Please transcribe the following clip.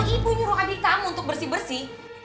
ibu nyuruh adik kamu untuk bersih bersih